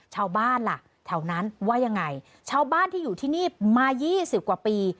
ชาวบ้านล่ะแถวนั้นว่ายังไงชาวบ้านที่อยู่ที่นี่มายี่สิบกว่าปี